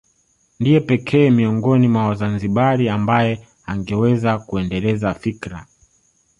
Ndiye pekee miongoni mwa Wazanzibari ambaye angeweza kuendeleza fikra